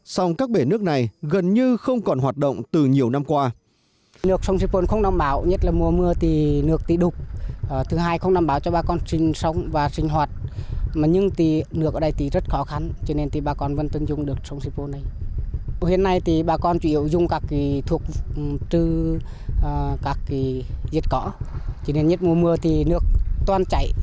sông các bể nước này gần như không còn hoạt động từ nhiều năm qua